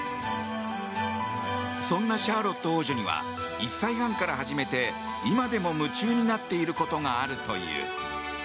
そんなシャーロット王女には１歳半から始めて今でも夢中になっていることがあるという。